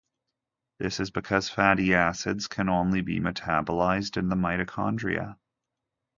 This is because fatty acids can only be metabolized in the mitochondria.